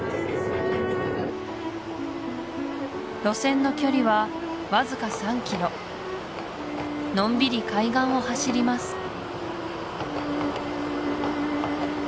路線の距離はわずか３キロのんびり海岸を走ります